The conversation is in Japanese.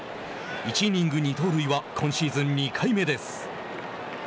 １イニング２盗塁は今シーズン２回目です。